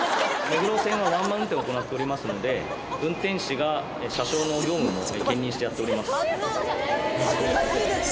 目黒線はワンマン運転を行っておりますので、運転士が車掌の業務も兼任してやっております。